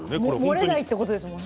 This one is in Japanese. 漏れないということですよね。